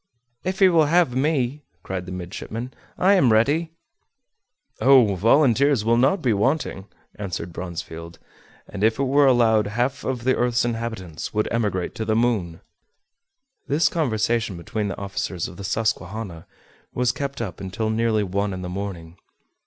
"If he will have me," cried the midshipman, "I am ready!" "Oh! volunteers will not be wanting," answered Bronsfield; "and if it were allowed, half of the earth's inhabitants would emigrate to the moon!" This conversation between the officers of the Susquehanna was kept up until nearly one in the morning.